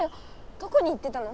どこに行ってたの？